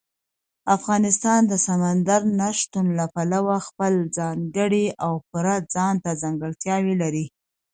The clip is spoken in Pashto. افغانستان د سمندر نه شتون له پلوه خپله ځانګړې او پوره ځانته ځانګړتیاوې لري.